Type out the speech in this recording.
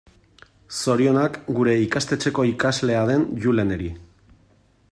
Zorionak gure ikastetxeko ikaslea den Juleneri.